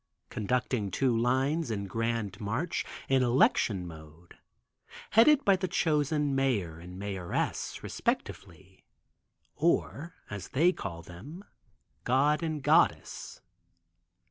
Conducting two lines in grand march, in election mode, headed by the chosen Mayor and Mayoress, respectively, or as they call them, god and goddess.